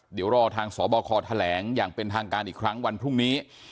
เดี๋ยวรอทางสบคแถลงอย่างเป็นทางการอีกครั้งวันพรุ่งนี้